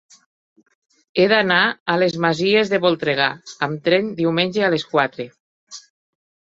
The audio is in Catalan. He d'anar a les Masies de Voltregà amb tren diumenge a les quatre.